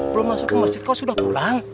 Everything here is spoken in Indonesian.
belum masuk ke masjid kok sudah pulang